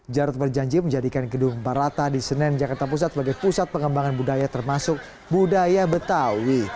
jarod berjanji menjadikan gedung barata di senen jakarta pusat sebagai pusat pengembangan budaya termasuk budaya betawi